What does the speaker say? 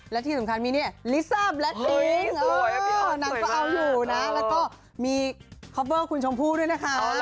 และที่สำคัญมีเนี่ยลิซ่าแลตติ้งนางก็เอาอยู่นะแล้วก็มีคอปเวอร์คุณชมพู่ด้วยนะคะ